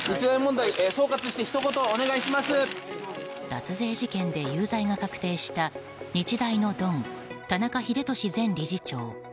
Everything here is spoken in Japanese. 脱税事件で有罪が確定した日大のドン、田中英寿前理事長。